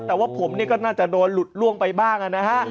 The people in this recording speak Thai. แต่ว่าผมนี่ก็น่าจะโดนหลุดล่วงไปบ้างนะฮะ